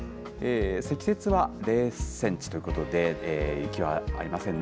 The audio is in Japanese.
積雪は０センチということで、雪はありませんね。